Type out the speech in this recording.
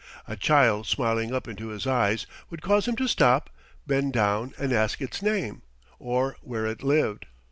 A child smiling up into his eyes would cause him to stop, bend down and ask its name, or where it lived.